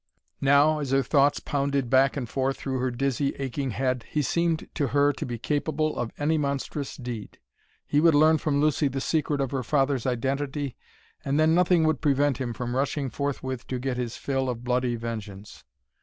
Now, as her thoughts pounded back and forth through her dizzy, aching head, he seemed to her to be capable of any monstrous deed. He would learn from Lucy the secret of her father's identity, and then nothing would prevent him from rushing forthwith to get his fill of bloody vengeance.